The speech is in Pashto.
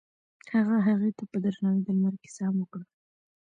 هغه هغې ته په درناوي د لمر کیسه هم وکړه.